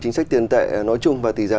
chính sách tiền tệ nói chung và tỷ giá